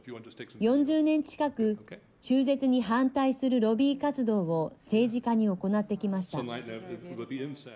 ４０年近く中絶に反対するロビー活動を政治家に行ってきました。